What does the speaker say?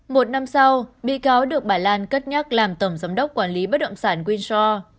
một năm sau bị cáo được bà lan cất nhắc làm tổng giám đốc quản lý bất động sản winster